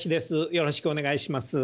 よろしくお願いします。